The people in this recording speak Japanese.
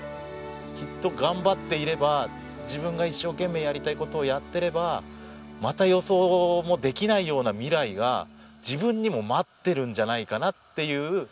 きっと頑張っていれば自分が一生懸命やりたい事をやってればまた予想もできないような未来が自分にも待ってるんじゃないかなっていう。